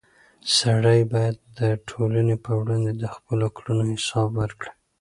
سړی باید د ټولنې په وړاندې د خپلو کړنو حساب ورکړي.